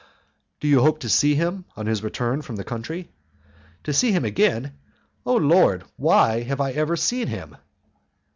"Do you hope to see him on his return from the country?" "To see him again! Oh, Lord! why have I ever seen him?"